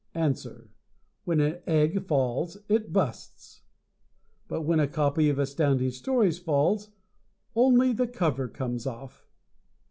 Answer: When an egg falls it busts. But when a copy of Astounding Stories falls only the cover comes off.